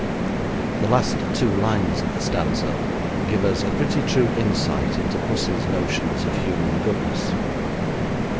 The last two lines of the stanza give us a pretty true insight into pussy's notions of human goodness.